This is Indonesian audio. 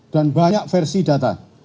dan banyak versi data